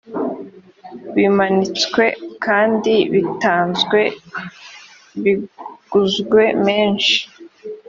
bimanitswe kandi bitanzwe biguzwe menshi